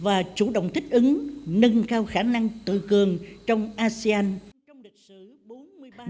và chủ động thích ứng nâng cao khả năng tự cường trong asean